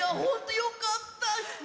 よかった！